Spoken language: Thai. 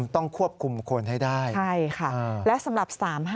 ต้องควบคุมคนให้ได้ใช่ค่ะและสำหรับ๓๕